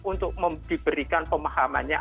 untuk diberikan pemahamannya